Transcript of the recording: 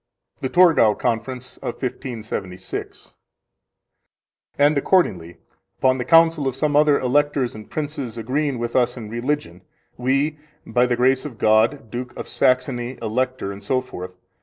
The Torgau Conference of 1576 12 And accordingly, upon the counsel of some other Electors and Princes agreeing with us in religion, we, by the grace of God, Duke of Saxony, Elector, etc.